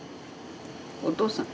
お父さん。